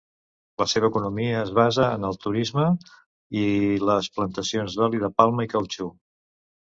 La seva economia es basa en el turisme i les plantacions d'oli de palma i cautxú.